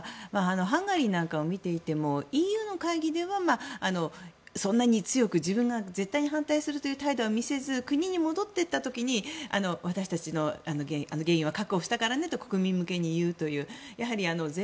ハンガリーなんかを見ていてもＥＵの会議ではそんなに強く自分が絶対に反対するという態度は見せず国に戻っていった時に私たちの原油は確保したからねと国民向けに言うという。